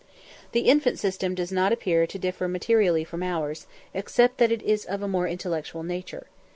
The infant system does not appear to differ materially from ours, except that it is of a more intellectual nature.